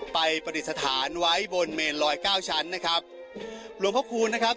ปฏิสถานไว้บนเมนลอยเก้าชั้นนะครับหลวงพระคูณนะครับ